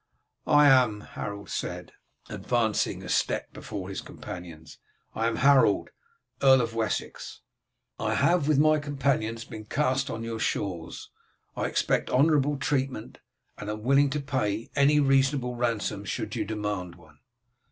"I am," Harold said, advancing a step before his companions. "I am Harold, Earl of Wessex. I have with my companions been cast on your shores. I expect honourable treatment, and am willing to pay any reasonable ransom should you demand one."